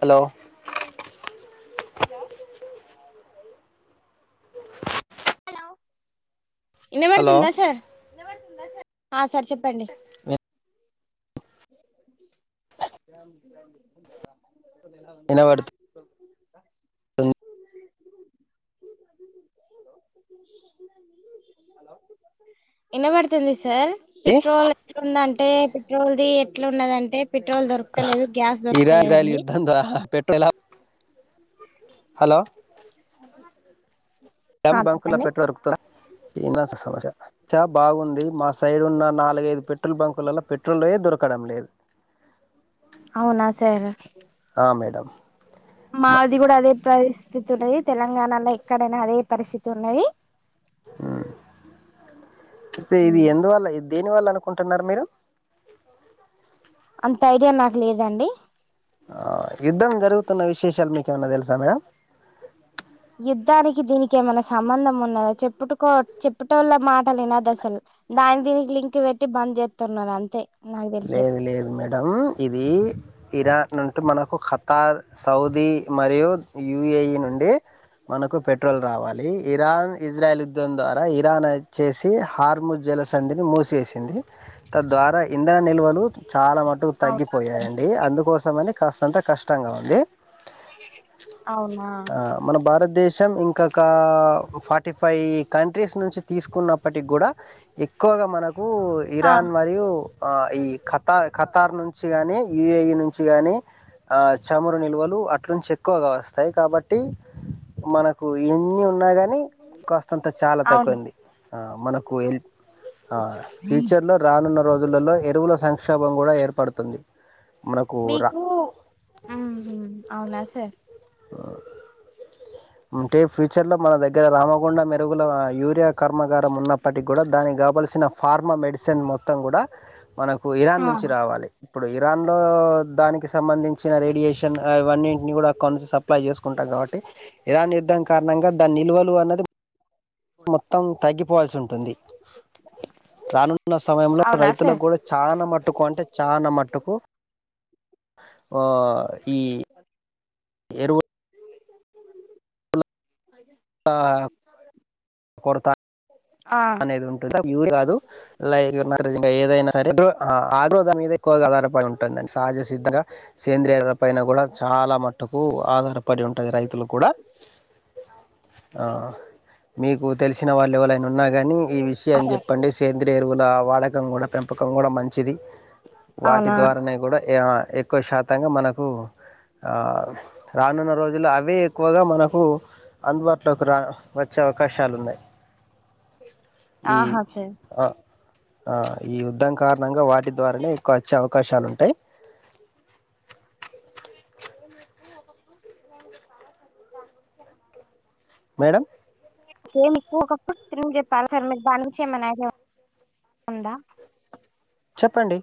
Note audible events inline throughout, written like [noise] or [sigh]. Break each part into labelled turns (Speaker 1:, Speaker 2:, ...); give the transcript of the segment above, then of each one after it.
Speaker 1: hello
Speaker 2: hello
Speaker 1: hello
Speaker 2: ఇనపడుతుందా sir ఆ sir చెప్పండి ర [unintelligible]
Speaker 1: ఇనబడ్త్ ఆ
Speaker 2: ఎన్న పడుతుంది సార్ పెట్రోల్ ఎట్లాందంటే పెట్రోల్ది ఎట్లున్నదంటే పె
Speaker 1: ఇరా రైల్ యుద్ధం ద్వా పెట్ హలో ఎం
Speaker 2: ఆ
Speaker 1: బంకులో
Speaker 2: చెప్పండి
Speaker 1: పెట్రోల్ రుకుతలే ఇన్నా సమాజ్ చ బాగుంది మా సైడ్ ఉన్న న లేదు పెట్రోల్ బంకులలో పెట్రోలే దొరకడం లేదు
Speaker 2: అవునా సరే
Speaker 1: ఆ మేడం
Speaker 2: మాది కూడా అదే పరిస్థి స్థితి ఉన్నది తెలంగాణలో ఎక్కడైనా అదే పరిస్థితి ఉన్నది
Speaker 1: ఇది ఎందువల్ల దేనివల్ల అనుకు కుంటున్నారు మీరు
Speaker 2: అంత ఐడియా నాకు లేదండి
Speaker 1: ఆ యుద్ధం జరుగుతున్న విశేషాలు మీకేమన్నా తెలుసా మేడం
Speaker 2: యుద్ధానికి దీనికి ఏమైనా స సంబంధం ఉన్నద చెప్పుట్కో చెప్పటవాళ్ళ మాటలు వినొద్దు అసలు దాని దీనికి లింక్ పెట్టి బ చెప్తున్నది అంతే నాకు తెలిసి
Speaker 1: లేదు
Speaker 2: అయితే
Speaker 1: లేదు మేడం ఇది ఇరాన్ అంటే మనకు ఖతార్ సౌదీ మరియు యుఏఈ నుండి మనకు పెట్రోల్ రావాలి ఇరాన్ ఇజ్రాయల్ యుద్ధం ద్వారా ఇరాన్ వచ్చేసి హార్ము జలసంధిని మూసేసింది త ద్వారా ఇంధన నిల్వలు చాలా మట్టుకు
Speaker 2: అవునా
Speaker 1: తగ్గిపోయాయిండి అందుకోసమని కాస్తంత కష్టంగా ఉంది
Speaker 2: అవునా
Speaker 1: ఆ మన భారత్ దేశం ఇంకొక ఫార్టీ ఫైవ్ కంట్రీస్ నుంచి తీసుకున్నప్పటికి కూడా ఎక్కువగా మనకు ఇరాన్ మరియు ఆ ఈ ఖతా ఖతార్ నుంచి గాని యూఏఈ నుంచి గాని ఆ చమురు నిల్వలు అట్నుంచి ఎక్కువగా వస్తాయి కాబట్టి మనకు ఎన్ని ఉన్నా కానీ కాస్తంత చాలా
Speaker 2: అవును
Speaker 1: తక్కువయింది ఆ మనకు హెల్ప్ ఆ ఫ్యూచర్లో రానున్న రోజులలో ఎరువుల సంక్షోభం కూడా ఏర్పడుతుంది మనకు రా
Speaker 2: మీకు అవునా సార్
Speaker 1: అంటే ఫ్యూచర్ లో మన దగ్గర రామగుండం మెరుగుల యూరియా కర్మాగారం ఉన్నప్పటికి కూడా దానికి కావలసిన ఫార్మా మెడిసిన్ మొత్తం కూడా మనకు ఇరాన్
Speaker 2: ఆ
Speaker 1: నుంచి రావాలి ఇప్పుడు ఇరాన్ లో దానికి సంబంధించిన రేడియేషన్ అవన్నింటిని కూడా కొనసా అప్లై చేసుకుంటాం కాబట్టి ఇరాన్ యుద్ధం కారణంగా దాని నిల్వలు అన్నది మొత్తం తగ్గిపోవాల్సి ఉం తుంది రానున్న సమయంలో
Speaker 2: అవునా సార్
Speaker 1: రైతులకు కూడా చాలా మట్టుకు అంటే చానా మట్టుకు ఓ ఈ ఎరువు ఆ కొరత
Speaker 2: ఆ
Speaker 1: అనేది ఉంటుందా యూరి కాదు లైన్ గా నా ఏదైనా సరే బ్రో ఆగ్రో దాని మీద ఎక్కువగా ఆధారపడి ఉంటుందిని సహజ సిద్ధంగా సేంద్రియాల పైన కూడా చాలా మట్టుకు ఆధారపడి ఉంటది రైతులు కూడా ఆ మీకు తెలిసిన వాళ్ళు ఏవాళైనా ఉన్నా కాని ఈ విషయం
Speaker 2: సార్
Speaker 1: చెప్పండి సేంద్రయ ఎరువుల వాడకం కూడా పెంపకం కూడా మంచిది వాటి
Speaker 2: అవునా
Speaker 1: ద్వారానే కూడా ఎక్కువ శాతంగా మనకు ఆ రానున్న రోజుల్లో అవే ఎక్కువగా మనకు అందుబాటులోకి రా వచ్చే అవకాశాలు ఉన్నాయి ఈ
Speaker 2: ఆహా సార్
Speaker 1: ఆ ఈ యుద్ధం కారణంగా వాటి ద్వారానే ఎక్కువ వచ్చే అవకాశాలు ఉంటాయి మేడం
Speaker 2: ఏ మీకు ఒకప్పు త్రిం చెప్పాలి సార్ మీరు బా నుంచి ఏమైనా ఐ ఉందా
Speaker 1: చెప్పండి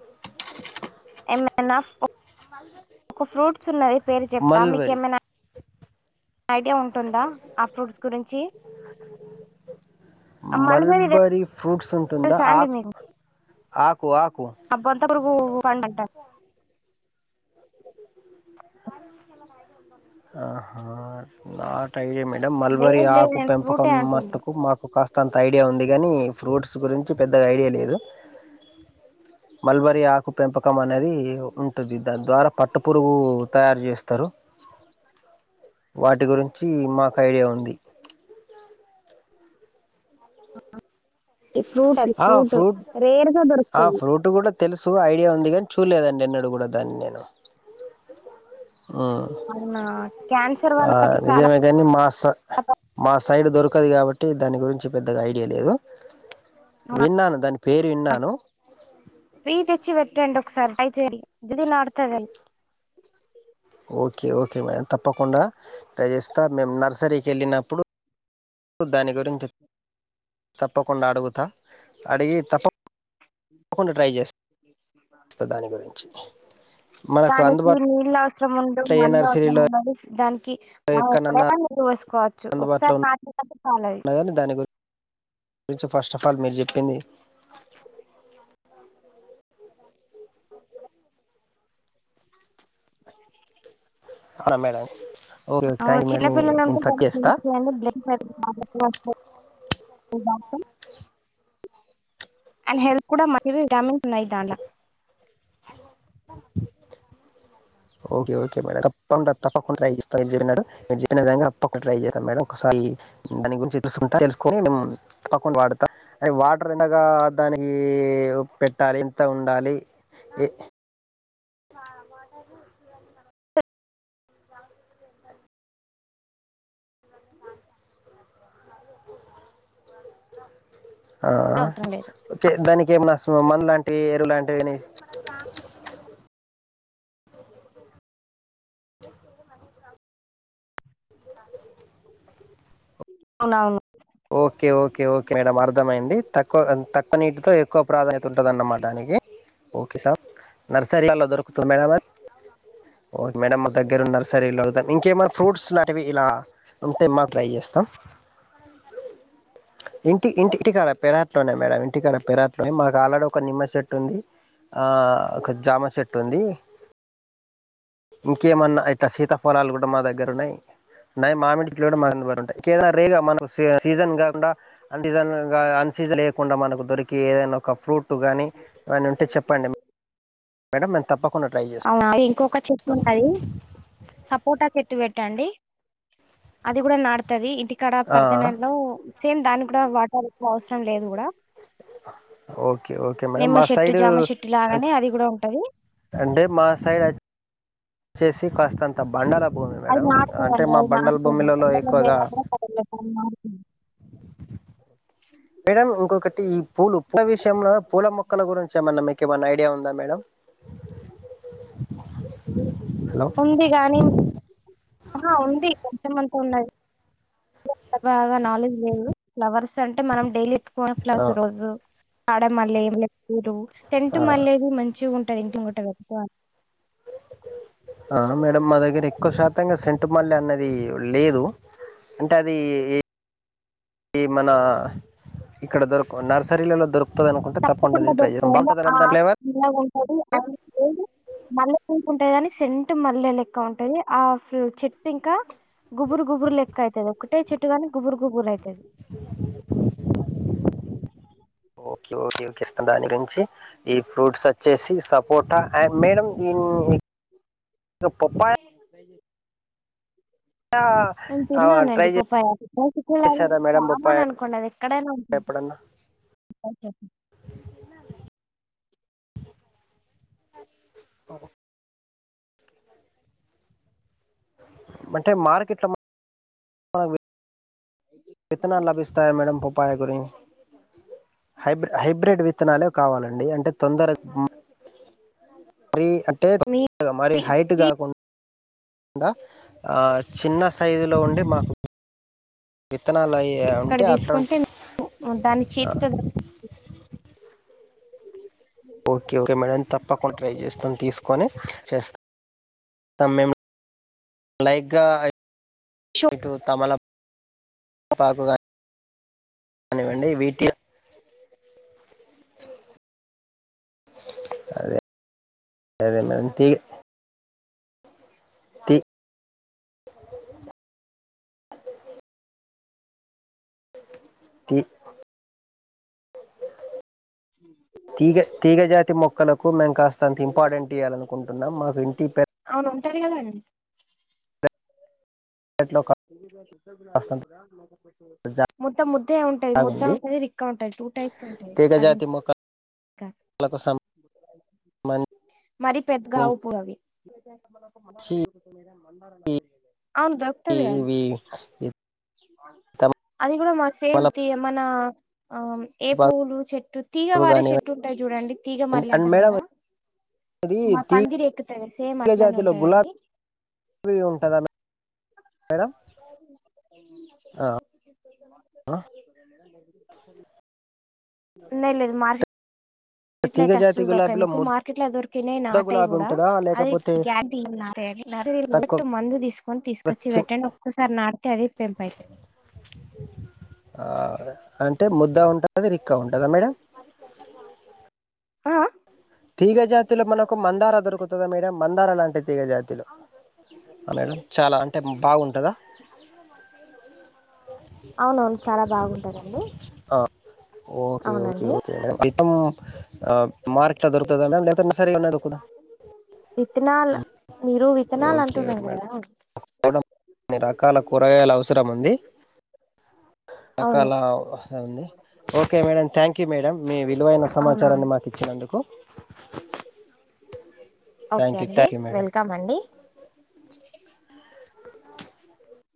Speaker 2: ఏమైనా ఓ
Speaker 1: మళ్ళీ రోజు ఈమకేనా
Speaker 2: పేరు చెప్తా మీకేమనా ఐడియా ఉంటుందా ఆ ఫ్రూట్స్ గురించి మలబరి దే
Speaker 1: మల్బరీ ఫ్రూట్స్ ఉంటుందా
Speaker 2: తెల్సండీ
Speaker 1: ఆకు
Speaker 2: మీకు
Speaker 1: ఆకు ఆకు
Speaker 2: ఓ ఊ అండంట
Speaker 1: ఆహ నాట్ ఐడియా మేడం మల్బరి
Speaker 2: లేదు లేదు
Speaker 1: ఆకు
Speaker 2: నేను ఫ్రూటే
Speaker 1: పెంపకం
Speaker 2: అంటున్నా
Speaker 1: మట్టుకు మాకు కాస్తంత ఐడియా ఉంది కానీ ఫ్రూట్స్ గురించి పెద్దగా ఐడియా లేదు మల్బరి ఆకు పెంపకం అనేది ఉంటుంది దాని ద్వారా పట్టటు పురుగు తయారు చేస్తారు వాటి గురించి మాకు ఐడియా ఉంది
Speaker 2: ఈ ఫ్రూట్ అది
Speaker 1: ఆ ఫ్రూట్
Speaker 2: రేర్ గా దొరుకుతది
Speaker 1: ఫ్రూట్ కూడా తెలుసు ఐడియా ఉంది కానీ చూడలేదండి ఎన్నడు కూడా దాన్ని నేను ఊ
Speaker 2: అవునా క్యాన్సర్
Speaker 1: ఆ
Speaker 2: వాళ్ళకి చాలా
Speaker 1: నిజమే కానీ మా స మా సైడ్ దొరకదు కాబట్టి దాని గురించి పెద్దగా ఐడియా లేదు విన్నాను దాని పేరు విన్నాను
Speaker 2: అద్దు ట్రీ తెచ్చి పెట్టండి ఒకసారికయితే జల్ది నాటుతది
Speaker 1: ఓకే ఓకే మేడం తప్పకుండా ట్రై చేేస్తా మేము నర్సరీకి వెళ్ళినప్పుడు దాని గురించి తప్పకుండా అడుగుతా అడిగి తప్ప తప్పకుండ ట్రై చేస్ మనకు
Speaker 2: దానికి
Speaker 1: అందుబాటులో
Speaker 2: నీళ్ళు అవసరం ఉండదు
Speaker 1: ఏ
Speaker 2: మందు అవసరం
Speaker 1: నర్సరీలో
Speaker 2: ఉండదు దాని కి మనం
Speaker 1: ఎక్కడన్నా
Speaker 2: ఎప్పుడైనా నిరు వేసుకోవచ్చు
Speaker 1: అందుబాటులో
Speaker 2: ఒకసారి నాటిన తరువాత పాలది
Speaker 1: ఉన్నా కానీ దాని గురించి ఫస్ట్ ఆఫ్ ఆల్ మీరు చెప్పింది కార్ అమ్మేడన్
Speaker 2: ఆ చిన్నపిల్లలంత దాని కిందికి పొండ్లు [unintelligible] సుజాత
Speaker 1: అతే
Speaker 2: అండ్ హెల్త్ కూడా మంచి విటమిన్స్ వున్నాయి దాంట్ల
Speaker 1: ఓకే ఓకే మేడం తప్పకుండా తప్పకుండా ట్రై చేస్త [unintelligible] తప్పకుండా ట్రై చేస్తా ఒకసారి దాని గురించి తెలుసుకుంట తెలుసుకని మేము తప్పకుండా వాడత అరె వాటర్ అందక దానికి ఈ పెట్టాలి ఇంత ఉండాలి ఇ ఆల మాటకు చివరి ఆ
Speaker 2: అవసరం లేదు
Speaker 1: ఓకే దానికి ఏమన మందు లాంటివి ఎరువు లాంటివి అని
Speaker 2: అవునవును
Speaker 1: ఓకే ఓకే ఓకే మేడం అర్థమైంది తక్కువ తక్కువ నీటితో ఎ తక్కువ ప్రాధాన్యత ఉంటదన్నమ్మాట దానికి ఓకే సార్ నర్సరీ లల దొరుకుతుందా మేడమ్ అది ఓకే మేడమ్ మా దగ్గర ఉ నర్సరీలు అంత ఇంకేమైనా ఫ్రూట్స్ లాంటివి ఇలా ఉంటే మాకు ట్రై చేస్తాం ఇంటి ఇంటి ఇంటికాడ పెరాట్ లోనేయి మేడం ఇంటికాడ పెిరాట్ లోనే మాకు ఆల్రెడీ ఒక నిమ్మ చెట్టు ఉంది ఆ ఒక జామా చెట్టు ఉంది ఇంకేమన్నా ఇట్లా శీతాఫలాలు కూడా మా దగ్గరున్నాయి నయి మామిడి కూడా మంటయి ఏద రేగా మన సీజ సీజన్ కాకుండా అన్ సీజన్ అన్ సీజన్ లేయకుండా మనకు దొరికి ఏదైనా ఒక ఫ్రూట్ టు గాని అవని ఉంటే చెప్పండి మేడం నేను తప్పకు
Speaker 2: అవునా ఇంకొక చెట్టు ఉంటది సపోటా చెట్టు పెట్టండి అది కూడా నాడుతది ఇంటికాడ
Speaker 1: ఆ
Speaker 2: పరిద నెలలో సేమ్ దానికి కూడా వాటర్ ఎక్కువ అవసరం లేదు కూడా
Speaker 1: ఓకే ఓకే మేడం
Speaker 2: నిమ్మ
Speaker 1: మా
Speaker 2: చెట్టు
Speaker 1: సైడు
Speaker 2: జామ చెట్టు
Speaker 1: అన్
Speaker 2: లాగానే అది కూడా ఉంటది
Speaker 1: అంటే మా సైడ్ అ వచ్చేసి కాస్త అంత బండల భూమి
Speaker 2: అది
Speaker 1: మేడం అంటే
Speaker 2: నాటుతదండి
Speaker 1: మా బండల భూమిలలో ఎక్కువగా
Speaker 2: నార్కిన్
Speaker 1: మేడం ఇంకొకటి పూలు పూల విషయంలో పూల మొక్కల గురించి ఏమన్నా మీకు ఏమైన్నా ఐడియా ఉందా మేడం హలో
Speaker 2: ఉంది కాగాని ఆ ఉంది కొంతమంత ఉన్నాయి అంత బాగా నాలెడ్జ్ లేదు ఫ్లవర్స్ అంటే మనం డైలీ ఎప్పుకు
Speaker 1: ఆ
Speaker 2: ఫ్లవర్స్ రోజు ఆడ మల్ల ఏమిరు సెంటు
Speaker 1: ఆ
Speaker 2: మల్లది మంచిగా ఉంటు టది ఇంట్లో వాటర్ ఎక్కువ
Speaker 1: ఆ మేడంమ్ మా దగ్గర ఎక్కువ శాతంగా సెంటు మల్లె అన్నది లేదు అంటే అది ఈ మన ఇక్కడ దొరకవు నర్సరీలలో దొరుక
Speaker 2: తప్పకుండా దొరుకుతాయి ఆ
Speaker 1: ఫ్లేవర్
Speaker 2: సీడ్ ఉంటది అండ్ సీడ్ మల్లె పువ్వు ఉంటాది కాగాని సెంట్ మల్లె లెక్క ఉంటుది ఆ చెట్టు ఇంకా గుబురు గుబురు లెక్క అతది ఒకటే చెట్టు గాని గుబురు గుబురు అయిత
Speaker 1: ఓకే ఓకే ఇస్త దాని గురించి ఈ ఫ్రూట్స్ వచ్చేసి సపోటా అండ్ మేడం ఇన్ అ
Speaker 2: హేతుభజే నేను తిన్నా
Speaker 1: ట్రై
Speaker 2: లేండి పప్పాయ
Speaker 1: చేశారా
Speaker 2: చామ అని అనుకోండిది ఎక్కడైనా ఉంటుంది
Speaker 1: అన్నా
Speaker 2: ఓకే
Speaker 1: అ అంటే మార్కెట్లో బాగా విత్తనాలు లభిస్తాయి మేడమ్ పొపాయ గురిీ హైబడ్ హైబ్రిడ్ విత్తనాలే కావాలండి అంటే తొందరగా ఉ మరి
Speaker 2: మీ
Speaker 1: అంటేగా మరి
Speaker 2: ట్రీ
Speaker 1: హైట్ కాకుండా కాకుండా ఆ చిన్న సైజులో ఉండి మాకు విత్తనాాలయి
Speaker 2: అక్కడ తీసుకుంటే దాని చేతితో అ
Speaker 1: ఓకే ఓకే మేడం తప్పకుండా ట్రై చేస్తాను తీసుకొని చేస్తా స మ లైక్ గా
Speaker 2: షో
Speaker 1: హైబ్రిడ్ తమల పాకు కానివ్వండి వీటి అదే అదే మేడంమ్ తీగా తీ కు
Speaker 2: అ [unintelligible]
Speaker 1: తీగ తీగజాతి మొక్కలకు మేము కాస్త అంత ఇంపార్టెంట్ ఇయాలనుకుంటున్నాం మాకు ఇంటి పె
Speaker 2: ర అద [unintelligible]
Speaker 1: పెరట్లో కాస్తంత
Speaker 2: మొత్తం ముద్దె ఉంటయి ముద్ద
Speaker 1: జాగుంది
Speaker 2: ఉంటది రిక్క ఉంటాది టూ టైప్స్ ఉంటయి అదిం
Speaker 1: తీగజాతి
Speaker 2: క
Speaker 1: మొక్కలకు
Speaker 2: మరి పెద్దగావు
Speaker 1: సంబంధించి
Speaker 2: పువు అవి అవును దొరకుతదిగ
Speaker 1: ఇవి
Speaker 2: అది కూడా మాకు సేమ్
Speaker 1: తమలపాకు
Speaker 2: తీ మనా ఆ ఏ పూవ్వులు చెట్టు తీగ వారే చెట్టు
Speaker 1: కానివ్వండి
Speaker 2: ఉంటాయి చూడండి తీగ మల్లే
Speaker 1: అండ్
Speaker 2: అంటారు
Speaker 1: మేడం
Speaker 2: కదా
Speaker 1: ఇది
Speaker 2: మా
Speaker 1: తీగ
Speaker 2: పందిరి ఎక్కుతయి సేమ్ అట్లనే ఉంటాయండి
Speaker 1: వి ఉంటుంద మేడం ఆ
Speaker 2: లేది మార్ [unintelligible] మార్కెట్ లో
Speaker 1: తీగ
Speaker 2: అయితే
Speaker 1: జాతి
Speaker 2: అసలు దొరకాయి
Speaker 1: గులాబీలో
Speaker 2: మీకు మార్కెట్ లో దొరికనే
Speaker 1: ముద్ద
Speaker 2: నాటయి
Speaker 1: గులాబీ
Speaker 2: కూడా
Speaker 1: ఉంటుందా
Speaker 2: అది
Speaker 1: లేకపోతే
Speaker 2: గారంటీ నాట
Speaker 1: తక్కువ
Speaker 2: వి మందు తీసు కొని తీసుకొచ్చి
Speaker 1: చిన్-
Speaker 2: పెట్టండి ఒక్కసారి నాటితే అవే పెంపు అయితయి
Speaker 1: ఆ అంటే ముద్ద ఉంటది రిక్క ఉంటదా మేడం
Speaker 2: అ ఆ
Speaker 1: తీగ జాతిలో మనకు మందార దొరుకుతదా మేడం మందార లాంటి తీగ జాతులు మేడం చాలా అంటే బాగుంటదా
Speaker 2: అవునవును చాలా బాగుంటదండి అవునండి
Speaker 1: ఓకేఓకేఓకే మేడం మొత్తం ఆ మార్కెట్ల దొరుకుతదా మేడం సరే ఉన్న దుకుద [unintelligible]
Speaker 2: విత్తనాలు మీరు విత్తనాలు
Speaker 1: ఓకే ఓకే
Speaker 2: అంటున్నారు
Speaker 1: మేడం
Speaker 2: కదా
Speaker 1: కొన్ని రకాల కూరగాయల అవసరం ఉంది
Speaker 2: అవును
Speaker 1: రకాల ఉంది okay madam thank you madam మీ విలువైన సమాచారాన్ని
Speaker 2: అవునవును
Speaker 1: మాకు ఇచ్చినందుకు
Speaker 2: ఓకే
Speaker 1: థ్యాంక్ యూ
Speaker 2: అండి
Speaker 1: థ్యాంక్ యూ మేడం
Speaker 2: వెల్కమ్ అండి